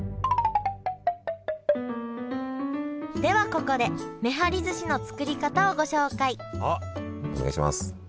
ではここでめはりずしの作り方をご紹介あっお願いします。